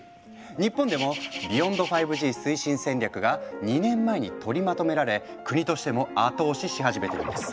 日本でもＢｅｙｏｎｄ５Ｇ推進戦略が２年前に取りまとめられ国としても後押しし始めているんです。